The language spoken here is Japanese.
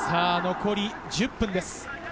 残り１０分です。